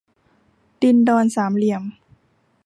ดินดอนสามเหลี่ยม